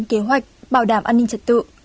kế hoạch bảo đảm an ninh trật tự